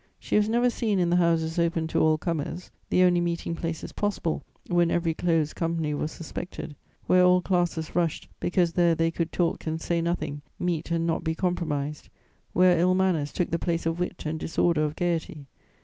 She was never seen in the houses open to all comers, the only meeting places possible when every closed company was suspected; where all classes rushed, because there they could talk and say nothing, meet and not be compromised; where ill manners took the place of wit and disorder of gaiety.